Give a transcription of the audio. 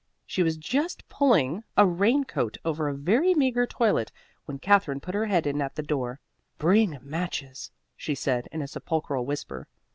She was just pulling a rain coat over a very meagre toilet when Katherine put her head in at the door. "Bring matches," she said in a sepulchral whisper.